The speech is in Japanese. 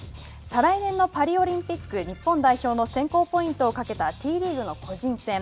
再来年のパリオリンピック日本代表の選考ポイントをかけたＴリーグの個人戦。